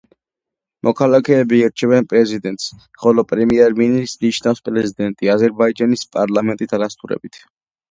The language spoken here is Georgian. მოქალაქეები ირჩევენ პრეზიდენტს, ხოლო პრემიერ-მინისტრს ნიშნავს პრეზიდენტი, აზერბაიჯანის პარლამენტის დადასტურებით.